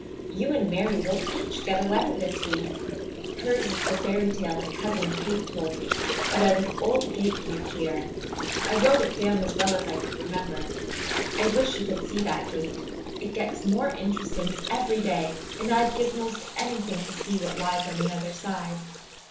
"You and Mary will each get a letter this week. Hers is the fairy tale that Cousin Kate told me, about an old gate near here. I wrote it down as well as I could remember. I wish you could see that gate. It gets more interesting every day, and I'd give most anything to see what lies on the other side.